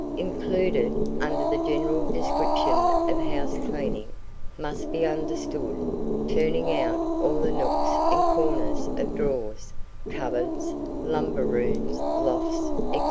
Included, under the general description of house cleaning, must be understood, turning out all the nooks and corners of drawers, cupboards, lumber rooms, lofts, &c.